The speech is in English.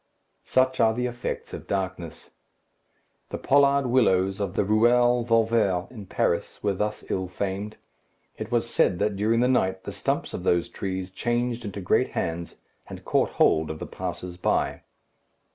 Such are the effects of darkness. The pollard willows of the Ruelle Vauvert in Paris were thus ill famed. It was said that during the night the stumps of those trees changed into great hands, and caught hold of the passers by.